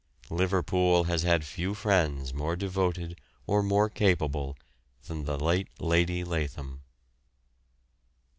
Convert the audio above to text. '" Liverpool has had few friends more devoted or more capable than the late Lady Lathom.